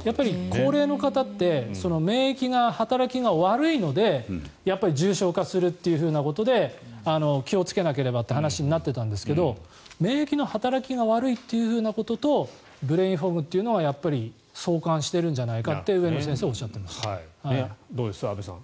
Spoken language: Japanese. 高齢の方って免疫が働きが悪いのでやっぱり重症化するということで気をつけなければという話になっていたんですが免疫の働きが悪いってこととブレインフォグというのは相関しているんじゃないかって上野先生はおっしゃっていました。